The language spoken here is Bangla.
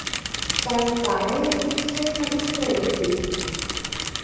কারণ তারাই অধিক হারে হাদিস পড়ে, লিখে।